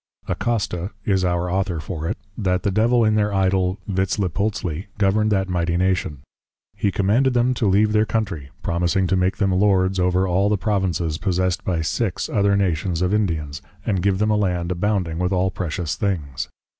Acosta, is our Author for it, that the Devil in their Idol Vitzlipultzli, governed that mighty Nation. 'He commanded them to leave their Country, promising to make them Lords over all the Provinces possessed by Six other Nations of Indians, and give them a Land abounding with all precious things.